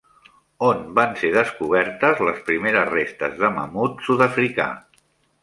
On van ser descobertes les primeres restes de mamut sud-africà?